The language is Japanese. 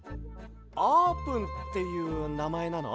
あーぷんっていうなまえなの？